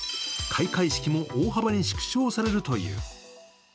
開会式も大幅に縮小されるという。